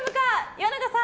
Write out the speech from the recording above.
岩永さん